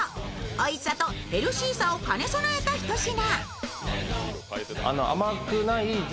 おいしさとヘルシーさを兼ね備えたひと品。